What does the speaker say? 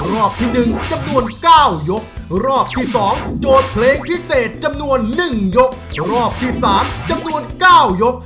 รอบที๑จับนวน๙ยก